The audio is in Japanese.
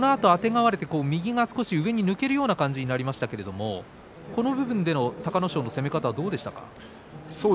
右が少し上に抜けるような感じになりましたけどそこの部分の隆の勝の攻め方はどうですか？